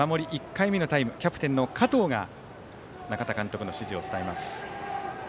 １回目のタイムキャプテンの加藤が永田監督の指示を伝えます。